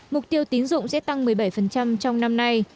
mục tiêu tín dụng sẽ tăng một mươi bảy trong năm nay